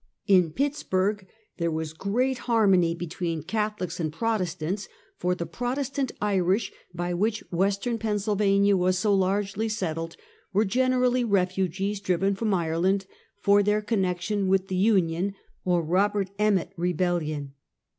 In Pittsburg there was great harmony between Catholics and Protestants, for the Protestant Irish, by which "Western Pennsylvania was so largely settled, were generally refugees driven from Ireland for their connection with the Union, or Robert Emmet rebel lion.